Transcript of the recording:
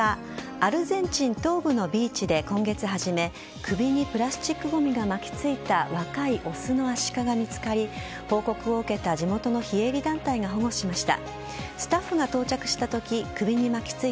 アルゼンチン東部のビーチで今月初め首にプラスチックごみが巻きついた若いオスのアシカが見つかり報告を受けた地元の非営利団体が保護しました。